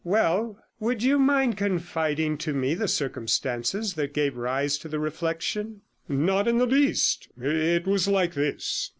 'Well, would you mind confiding to me the circumstances that gave rise to the reflection?' 'Not in the least. It was like this.'